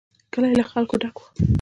کلی له خلکو ډک و.